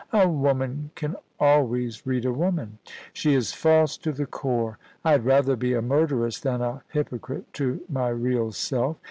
A woman can always read a woman. She is false to the core. I had rather be a murderess than a hypocrite to my real self.